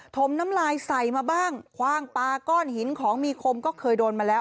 มน้ำลายใส่มาบ้างคว่างปลาก้อนหินของมีคมก็เคยโดนมาแล้ว